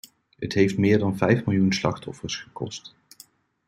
Het heeft meer dan vijf miljoen slachtoffers gekost.